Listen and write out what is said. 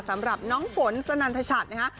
สำหรับน้องฝนสนันทชัดนะฮะ